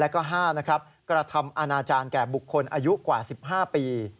๕กระทำอนาจารย์แก่บุคคลอายุกว่า๑๕ปี